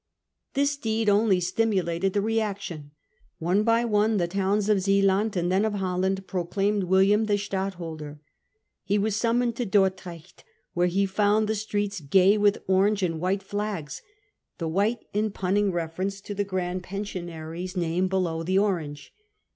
This deed only stimulated the reaction. One by one the towns of Zealand, and then of Holland, proclaimed William their Stadtholder. He was summoned to Dor drecht, where he found the streets gay with orange and white flags, the white, in'punning reference to the Grand Pensionary's name, below the orange.